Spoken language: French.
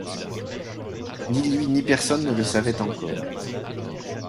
Ni lui ni personne ne le savaient encore.